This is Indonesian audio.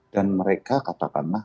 dan mereka katakanlah